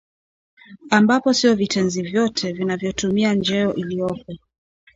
ambapo sio vitenzi vyote vinavyotumia njeo iliyopo